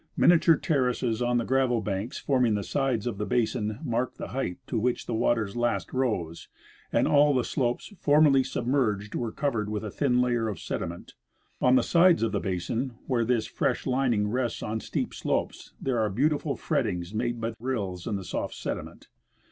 Miniature terraces on the gravel banks forming the sides of the basin marked the height to which the waters last rose, and all the slopes formerly sub merged were covered with a thin layer of sediment. On the sides of the basin where this fi'esh lining rests on steep slopes there are beautiful frettings made by rills in the soft sediment.